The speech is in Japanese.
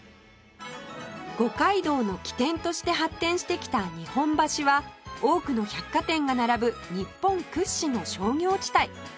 五街道の起点として発展してきた日本橋は多くの百貨店が並ぶ日本屈指の商業地帯